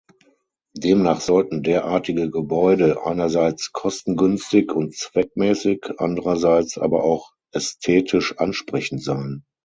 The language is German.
Demnach sollten derartige Gebäude einerseits kostengünstig und zweckmäßig, andererseits aber auch ästhetisch ansprechend sein.